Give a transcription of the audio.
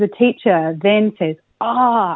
karena pelajar kemudian berkata